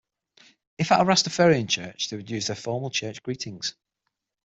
If at a Rastafarian Church, they would use their formal church greetings.